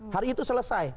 hari itu selesai